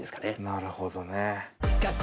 なるほどね。